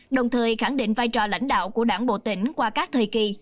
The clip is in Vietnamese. đồng thời khẳng định vai trò lãnh đạo của đảng bộ tỉnh qua các thời kỳ